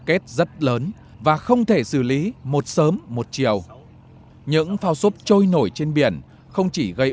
kết rất lớn và không thể xử lý một sớm một chiều những phao xốp trôi nổi trên biển không chỉ gây